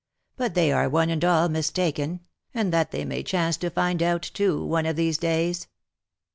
But they are one and all mistaken, and that they may chance to find out, too, one of these days."